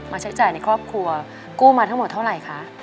ใช้จ่ายในครอบครัวกู้มาทั้งหมดเท่าไหร่คะ